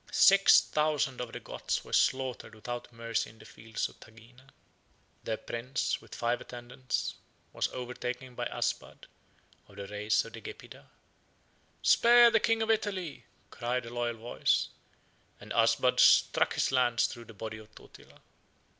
Six thousand of the Goths were slaughtered without mercy in the field of Tagina. Their prince, with five attendants, was overtaken by Asbad, of the race of the Gepidae. "Spare the king of Italy," 3611 cried a loyal voice, and Asbad struck his lance through the body of Totila.